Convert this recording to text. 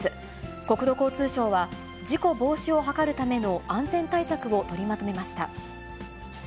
国土交通省は、事故防止を図るための安全対策を取りまとめました。